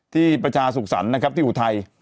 ที่ประชาสุขสรรค์นะครับที่อุทัย